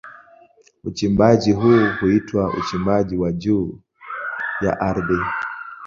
Uchimbaji huu huitwa uchimbaji wa juu ya ardhi.